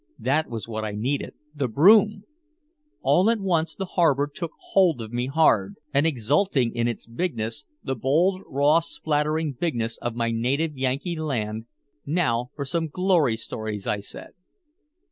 That was what I needed, the broom! All at once the harbor took hold of me hard. And exulting in its bigness, the bold raw splattering bigness of my native Yankee land, "Now for some glory stories," I said.